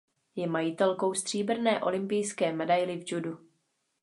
Je majitelkou stříbrné olympijské medaili v judu.